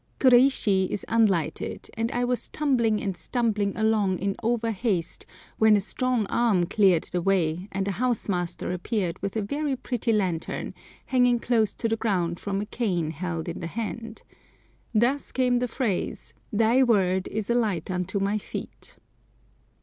Kuroishi is unlighted, and I was tumbling and stumbling along in overhaste when a strong arm cleared the way, and the house master appeared with a very pretty lantern, hanging close to the ground from a cane held in the hand. Thus came the phrase, "Thy word is a light unto my feet."